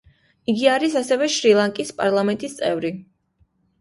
იგი არის ასევე შრი-ლანკის პარლამენტის წევრი.